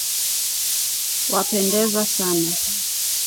wapendeza sana